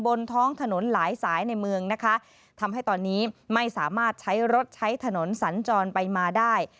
บนท้องถนนหลายสายในเมืองนะคะทำให้ตอนนี้ไม่สามารถใช้รถใช้ถนนสัญจรไปมาได้